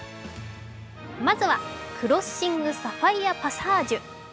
まずは、クロッシング・サファイヤ・パサージュ。